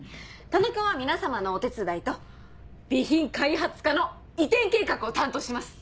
田中は皆様のお手伝いと備品開発課の移転計画を担当します。